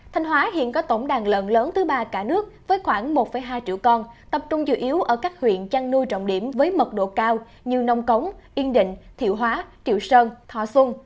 thanh hóa hiện có tổng đàn lợn lớn thứ ba cả nước với khoảng một hai triệu con tập trung chủ yếu ở các huyện chăn nuôi trọng điểm với mật độ cao như nông cống yên định thiệu hóa triệu sơn thò xuân